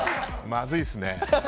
まずいですね。